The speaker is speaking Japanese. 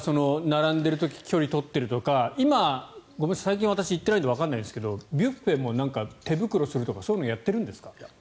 並んでる時、距離を取ってるとか今、最近、私、行ってないのでわかりませんがビュッフェも手袋をするとかそういうのやってるんですか？